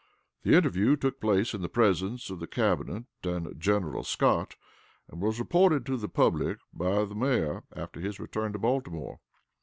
The interview took place in presence of the Cabinet and General Scott, and was reported to the public by the Mayor after his return to Baltimore.